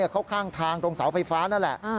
เขาข้างทางตรงเสาไฟฟ้านั่นแหละ